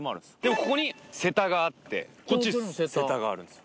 ここに瀬田があってこっち瀬田があるんですよ。